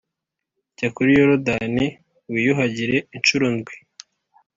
jya kuri Yorodani wiyuhagiremo incuro ndwi .